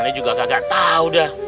nah ini juga kagak tau dah